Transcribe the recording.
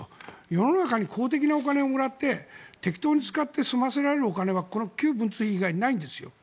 世の中に公的なお金をもらって適当に済ませられるお金はこの文通費以外ないんです。